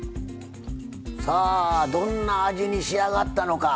さあどんな味に仕上がったのか。